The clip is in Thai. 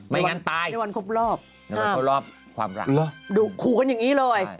ไม่งั้นตายในวันครบรอบความรักดูขู่กันอย่างนี้เลย